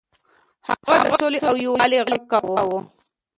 هغه د سولې او یووالي غږ کاوه.